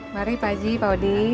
mari pak haji pak hody